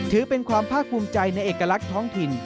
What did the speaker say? ถือเป็นความภาคภูมิใจในเอกลักษณ์ท้องถิ่น